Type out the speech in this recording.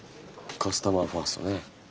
カスタマーファーストねえ。